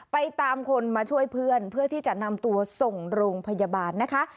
ไปตามคนมาช่วยเพื่อนเพื่อที่จะนำตัวส่งโรงพยาบาลนะคะ